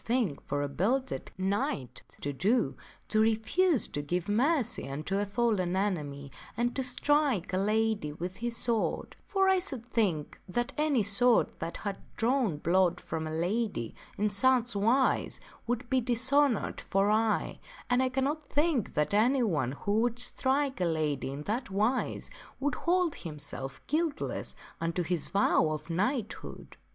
thing for a belted knight to do, to refuse to give mercy unto a ^^^ fallen enemy and to strike a lady with his sword ; for I should think that any sword that had drawn blood from a lady in such wise would be dishonored for aye ; and I cannot think that anyone who would strike a lady in that wise would hold himself guiltless unto his vow of knighthood."